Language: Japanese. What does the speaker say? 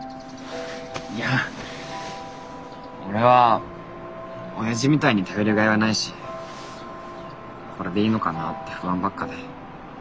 いや俺は親父みたいに頼りがいはないしこれでいいのかなって不安ばっかで。